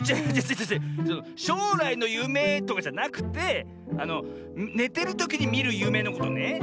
しょうらいのゆめとかじゃなくてあのねてるときにみるゆめのことね。